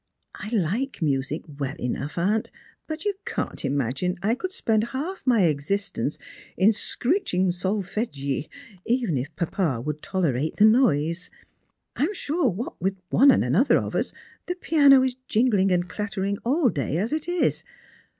I like music well enough, aunt; but you can't imagine I could spend half my existence in shrieking solfeggi, even if papa would tolerate the noise. I am sure, what with one any another of us, the piano is jingling and clattering all day, as_ it is.